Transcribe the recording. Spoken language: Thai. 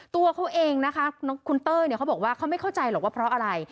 ตัวเขาเองนะคะคุณเต้ยเขาบอกว่าเขาไม่เข้าใจหรอกว่าเพราะอะไร